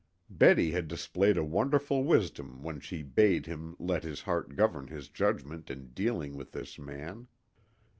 Betty had displayed a wonderful wisdom when she bade him let his heart govern his judgment in dealing with this man.